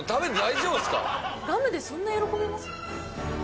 ガムでそんな喜びます？